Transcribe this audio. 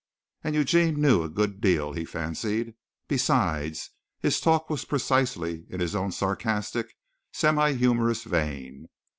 And Eugene knew a good deal, he fancied. Besides, his talk was precisely in his own sarcastic, semi humorous vein.